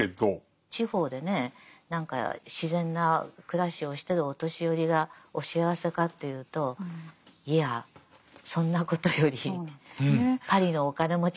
地方でね何か自然な暮らしをしてるお年寄りがお幸せかというといやそんなことよりパリのお金持ちの方が長生きだって。